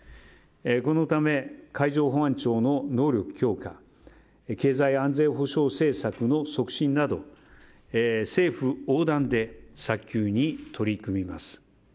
このため、海上保安庁の能力強化経済安全保障政策の促進など政府横断で早急に取り組みます。